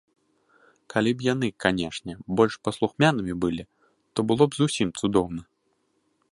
Калі б яны, канешне, больш паслухмянымі былі, то было б зусім цудоўна.